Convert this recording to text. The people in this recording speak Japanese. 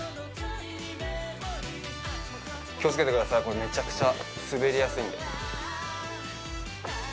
気をつけてください、これ、めちゃくちゃ滑りやすいんで。